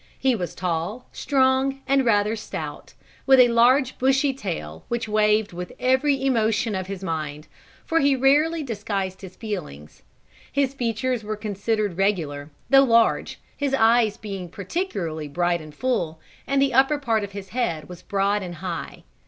He was tall, strong, and rather stout, with a large bushy tail, which waved with every emotion of his mind, for he rarely disguised his feelings. His features were considered regular, though large, his eyes being particularly bright and full, and the upper part of his head was broad and high.